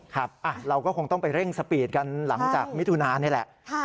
ครับเราก็คงต้องไปเร่งสปีดกันหลังจากมิถุนานี่แหละ